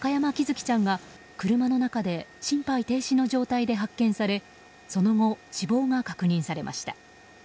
生ちゃんが車の中で心肺停止の状態で発見されその後、死亡が確認されました。